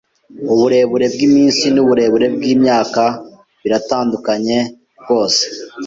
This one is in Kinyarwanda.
Uburebure bwiminsi nuburebure bwimyaka biratandukanye rwose.